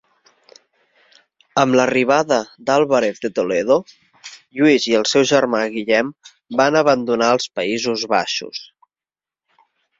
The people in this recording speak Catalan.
Amb l'arribada d'Álvarez de Toledo, Lluís i el seu germà Guillem van abandonar els Països Baixos.